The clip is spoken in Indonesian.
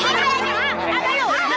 jangan bisain jangan bisain